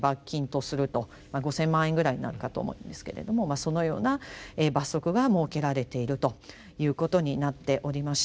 まあ５，０００万円ぐらいになるかと思うんですけれどもそのような罰則が設けられているということになっておりまして。